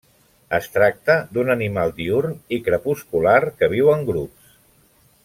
Es tracta d'un animal diürn i crepuscular que viu en grups.